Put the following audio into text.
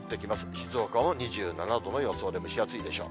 静岡も２７度の予想で蒸し暑いでしょう。